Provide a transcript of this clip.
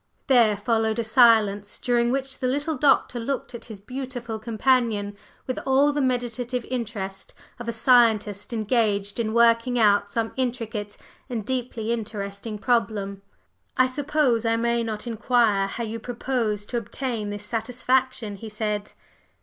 There followed a silence, during which the little Doctor looked at his beautiful companion with all the meditative interest of a scientist engaged in working out some intricate and deeply interesting problem. "I suppose I may not inquire how you propose to obtain this satisfaction?" he said.